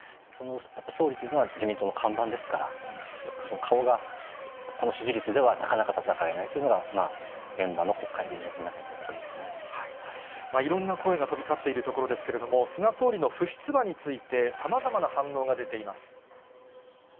総理というのは自民党の看板ですから、その顔が、この支持率ではなかなか戦えないというのが、現場の国会議員の皆いろんな声が飛び交ってっているところですけれども、菅総理の不出馬について、さまざまな反応が出ています。